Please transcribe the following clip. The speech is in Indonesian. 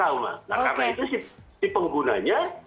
nah karena itu si penggunanya